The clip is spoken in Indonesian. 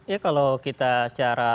ya kalau kebenaran itu seperti apa sih